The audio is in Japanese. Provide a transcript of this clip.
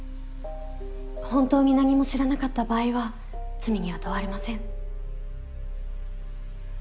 本当に何も知らなかった場合は罪には問われません。